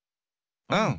うん！